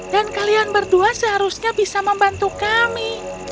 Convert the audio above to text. dan kalian berdua seharusnya bisa membantu kami